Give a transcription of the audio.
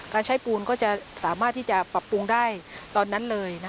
การใช้ปูนก็จะสามารถที่จะปรับปรุงได้ตอนนั้นเลย